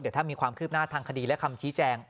เดี๋ยวถ้ามีความคืบหน้าทางคดีและคำชี้แจง